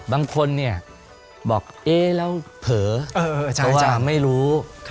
บางคนเนี่ยบอกเอ๊แล้วเผลอตัวไม่รู้